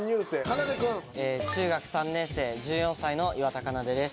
中学３年生１４歳の岩田奏です。